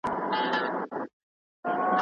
په دې کتاب کي د پښتنو فولکلوري کیسې وې.